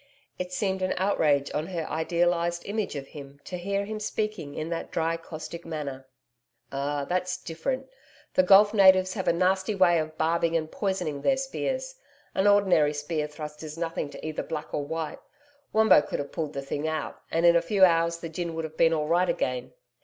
It seemed an outrage on her idealised image of him to hear him speaking in that dry, caustic manner. 'Ah, that's different. The Gulf natives have a nasty way of barbing and poisoning their spears. An ordinary spear thrust is nothing to either black or white. Wombo could have pulled the thing out, and in a few hours the gin would have been all right again.'